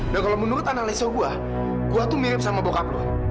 dan kalau menurut analisa gue gue tuh mirip sama bokap lo